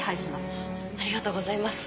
ありがとうございます。